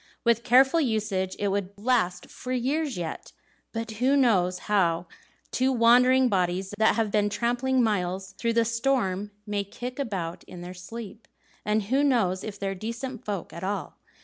With careful usage, it would last for years yet; but who knows how two wandering bodies that have been tramping miles through the storm may kick about in their sleep? And who knows if they're decent folk at all?